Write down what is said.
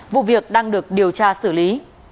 vụ việc đang được điều tra xử lý